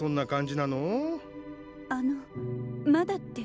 あの「まだ」って？